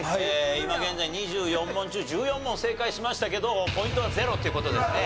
今現在２４問中１４問正解しましたけどポイントはゼロっていう事ですね。